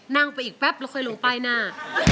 นั่งไปอีกแป๊บแล้วค่อยลงป้ายหน้า